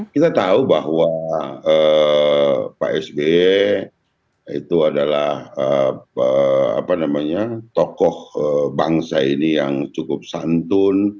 kita tahu bahwa pak sby itu adalah tokoh bangsa ini yang cukup santun